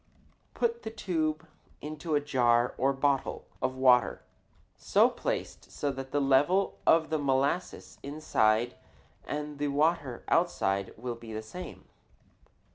Put the tube into a jar or bottle of water so placed that the level of the molasses inside and the water outside will be the same.